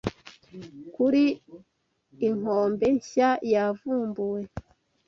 kuri a inkombe nshya yavumbuwe